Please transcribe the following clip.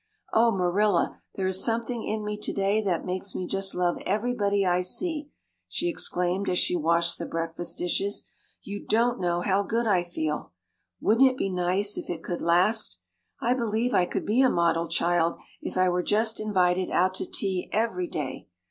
"Oh, Marilla, there is something in me today that makes me just love everybody I see," she exclaimed as she washed the breakfast dishes. "You don't know how good I feel! Wouldn't it be nice if it could last? I believe I could be a model child if I were just invited out to tea every day.